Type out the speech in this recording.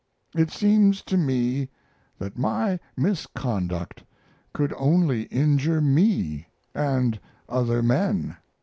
It seems to me that my misconduct could only injure me and other men.